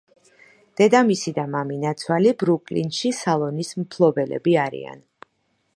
დედამისი და მამინაცვალი ბრუკლინში სალონის მფლობელები არიან.